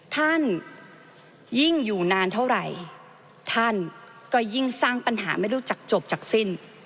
ท่านยิ่งอยู่นานเท่าไหร่ท่านก็ยิ่งสร้างปัญหาไม่รู้จักจบจากสิ้น